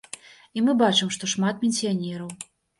І мы бачым, што шмат пенсіянераў.